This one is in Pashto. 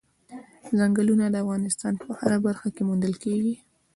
ځنګلونه د افغانستان په هره برخه کې موندل کېږي.